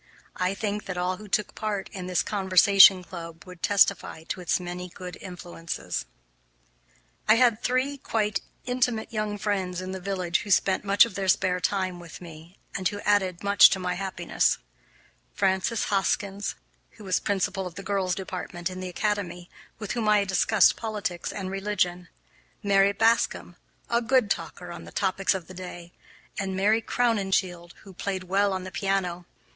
I think that all who took part in this Conversation Club would testify to its many good influences. I had three quite intimate young friends in the village who spent much of their spare time with me, and who added much to my happiness: Frances Hoskins, who was principal of the girls' department in the academy, with whom I discussed politics and religion; Mary Bascom, a good talker on the topics of the day, and Mary Crowninshield, who played well on the piano.